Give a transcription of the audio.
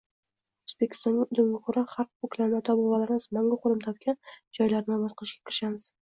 Oʻzbekona udumga koʻra, har koʻklamda ota-bobolarimiz mangu qoʻnim topgan joylarni obod qilishga kirishamiz.